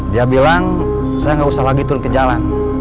dia bilang saya nggak usah lagi turun ke jalan